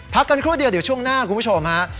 พักกันครู้เดี่ยวไว้ช่วงหน้าครับคุณผู้ชมฮะ